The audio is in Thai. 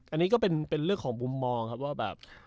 อันนี้ก็เป็นเรื่องของมุมมองครับว่าแบบ